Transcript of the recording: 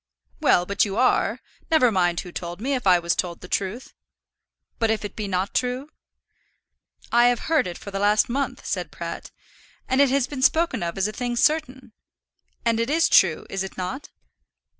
"Well, but you are? Never mind who told me, if I was told the truth." "But if it be not true?" "I have heard it for the last month," said Pratt, "and it has been spoken of as a thing certain; and it is true; is it not?"